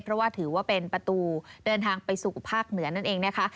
เพราะว่าถือว่าเป็นประตูเดินทางไปสู่ภาคเหนือนั่นเองนะคะ